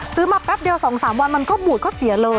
มาแป๊บเดียว๒๓วันมันก็บูดก็เสียเลย